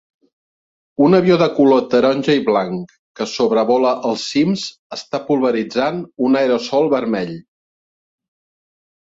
Un avió de color taronja y blanc que sobrevola els cims està polvoritzant un aerosol vermell.